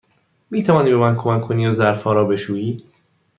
می توانی به من کمک کنی و ظرف ها را بشویی؟